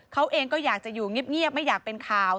เขาเองก็อยากจะอยู่เงียบไม่อยากเป็นข่าว